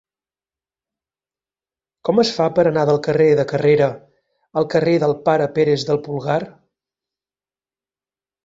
Com es fa per anar del carrer de Carrera al carrer del Pare Pérez del Pulgar?